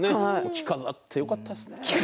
着飾ってよかったです。